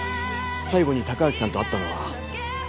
最後に隆明さんと会ったのは？